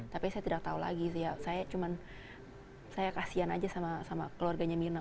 tapi saya tidak tahu lagi saya cuma saya kasihan aja sama keluarganya myrna